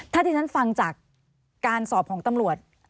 ถ้าที่ฉันฟังจากการสอบของตำรวจ